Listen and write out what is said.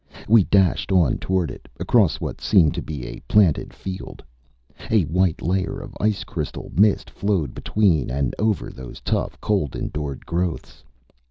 We dashed on toward it, across what seemed to be a planted field. A white layer of ice crystal mist flowed between and over those tough cold endured growths.